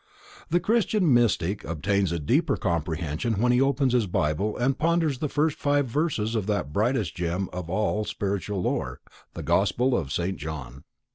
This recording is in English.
The Christian Mystic obtains a deeper comprehension when he opens his Bible and ponders the first five verses of that brightest gem of all spiritual lore: the Gospel of St. John.